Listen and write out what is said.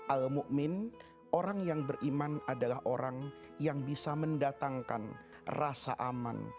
al mu'min orang yang beriman adalah orang yang bisa mendatangkan rasa aman